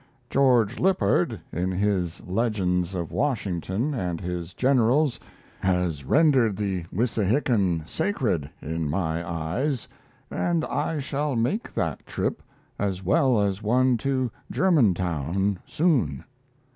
Geo. Lippard, in his Legends of Washington and his Generals, has rendered the Wissahickon sacred in my eyes, and I shall make that trip, as well as one to Germantown, soon....